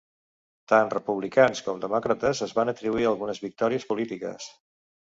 Tant republicans com demòcrates es van atribuir algunes victòries polítiques.